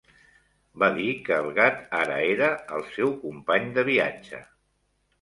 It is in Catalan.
Va dir que el gat ara era el seu company de viatge.